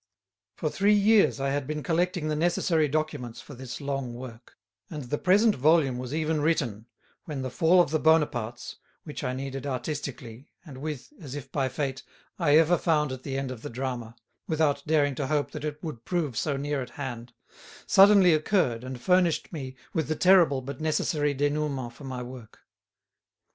For three years I had been collecting the necessary documents for this long work, and the present volume was even written, when the fall of the Bonapartes, which I needed artistically, and with, as if by fate, I ever found at the end of the drama, without daring to hope that it would prove so near at hand, suddenly occurred and furnished me with the terrible but necessary dénouement for my work.